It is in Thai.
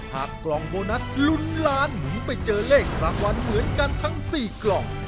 กล่องโบนัสลุ้นล้านหมุนไปเจอเลขรางวัลเหมือนกันทั้ง๔กล่อง